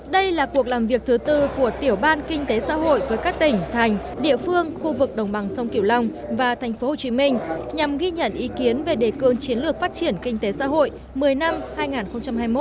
đây là cuộc làm việc thứ tư của tiểu ban kinh tế xã hội với các tỉnh thành địa phương khu vực đồng bằng sông kiểu long và thành phố hồ chí minh nhằm ghi nhận ý kiến về đề cương chiến lược phát triển kinh tế xã hội một mươi năm hai nghìn hai mươi một hai nghìn hai mươi hai